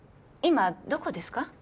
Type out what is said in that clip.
今どこですか？